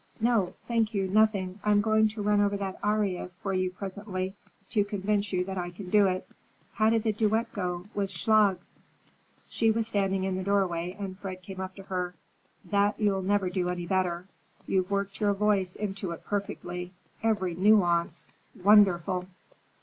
"No, thank you, nothing. I'm going to run over that aria for you presently, to convince you that I can do it. How did the duet go, with Schlag?" She was standing in the doorway and Fred came up to her: "That you'll never do any better. You've worked your voice into it perfectly. Every nunance—wonderful!"